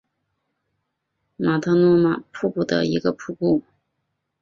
马特诺玛瀑布的一个瀑布。